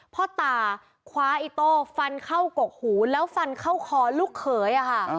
พ่อตาคว้าอิโต้ฟันเข้ากกหูแล้วฟันเข้าคอลูกเขยค่ะ